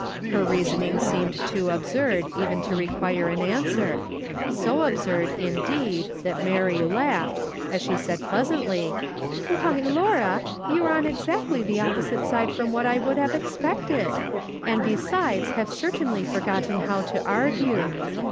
Her reasoning seemed too absurd even to require an answer ; so absurd, indeed, that Mary laughed, as she said pleasantly : "AVhy, Laura! you are on exactly the opposite side from what I should have expected, and, besides, have certainly forgotten how to argue.